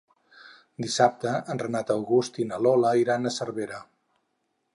Dissabte en Renat August i na Lola iran a Cervera.